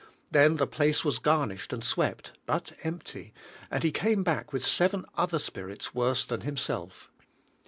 Then the place was garnished and swept, but empty, and he came back with seven other spirits worse than himself.